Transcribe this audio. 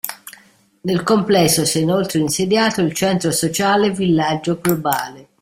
Nel complesso si è inoltre insediato il centro sociale Villaggio Globale.